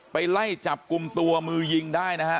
ไปไล่จับกลุ่มตัวมือยิงได้นะฮะ